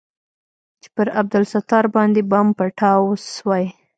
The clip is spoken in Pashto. چې پر عبدالستار باندې بم پټاو سوى.